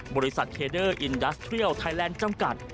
บริษัทเคเดอร์อินดัสเทียลไทยแลนด์จำกัด